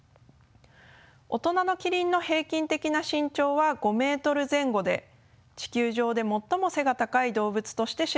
大人のキリンの平均的な身長は５ｍ前後で地球上で最も背が高い動物として知られています。